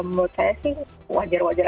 menurut saya sih wajar wajar